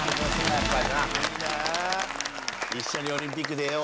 いいなあ「一緒にオリンピック出よう」。